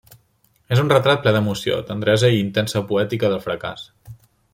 És un retrat ple d'emoció, tendresa i intensa poètica del fracàs.